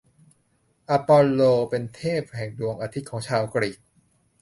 อปอลโล เป็นเทพแห่งดวงอาทิตย์ของชาวกรีก